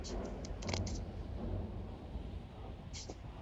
南印度人。